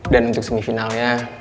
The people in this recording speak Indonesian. dan untuk semifinalnya